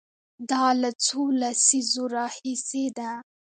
دا له څو لسیزو راهیسې ده.